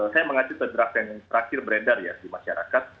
saya mengacu terdrag yang terakhir beredar ya di masyarakat